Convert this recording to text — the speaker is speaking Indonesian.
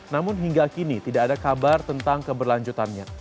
namun hingga kini tidak ada kabar tentang keberlanjutannya